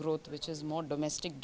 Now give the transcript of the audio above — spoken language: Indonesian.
yang lebih berpandangan domestik